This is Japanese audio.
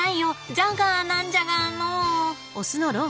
ジャガーなんじゃがのう。